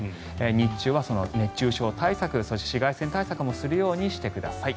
日中は熱中症対策そして紫外線対策もするようにしてください。